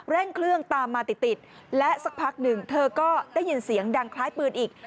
เร่งเครื่องตามมาติดติดและสักพักหนึ่งเธอก็ได้ยินเสียงดังคล้ายปืนอีก